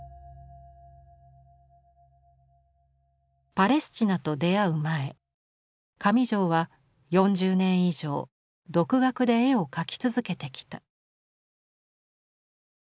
パレスチナと出会う前上條は４０年以上独学で絵を描き続けてきた。